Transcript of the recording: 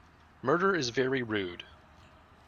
Murder is very rude.